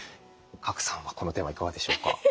賀来さんはこのテーマいかがでしょうか？